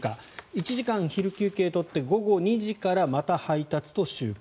１時間昼休憩を取ってまた午後２時から配達と集荷。